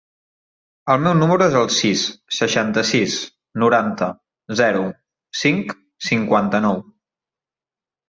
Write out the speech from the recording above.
El meu número es el sis, seixanta-sis, noranta, zero, cinc, cinquanta-nou.